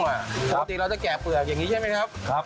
ปกติเราจะแกะเปลือกอย่างนี้ใช่ไหมครับ